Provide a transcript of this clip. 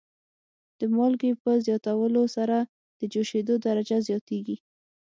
د مالګې په زیاتولو سره د جوشیدو درجه زیاتیږي.